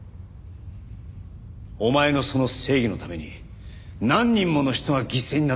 お前のその正義のために何人もの人が犠牲になった。